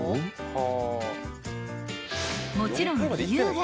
［もちろん理由が］